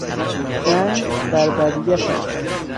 جنگ بربریت است.